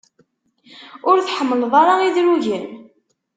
Ur tḥemmleḍ ara idrugen?